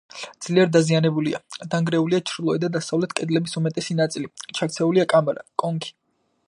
ძლიერ დაზიანებულია: დანგრეულია ჩრდილოეთ და დასავლეთ კედლების უმეტესი ნაწილი, ჩაქცეულია კამარა, კონქი.